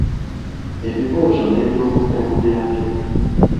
Ebibuuzo n'ebyokuddamu byabyo.